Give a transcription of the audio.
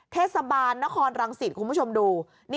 เทศบาลนครรังสิตคุณผู้ชมดู